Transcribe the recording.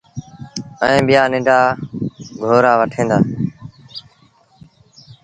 ائيٚݩ ٻيٚآ ننڍآ گونرآ وٺيٚن دآ۔